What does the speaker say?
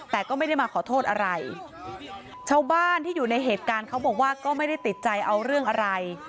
แต่ก็ไม่ได้มาขอโทษอะไรชาวบ้านที่อยู่ในเหตุการณ์เขาบอกว่าก็ไม่ได้ติดใจเอาเรื่องอะไร